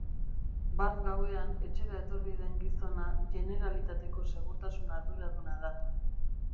Bart gauean etxera etorri den gizona Generalitateko segurtasun arduraduna da.